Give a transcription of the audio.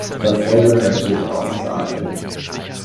Dasselbe möchte ich auch sagen.